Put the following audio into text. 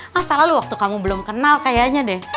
masalah lu waktu kamu belum kenal kayaknya deh